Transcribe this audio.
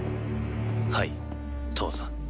はい父さん。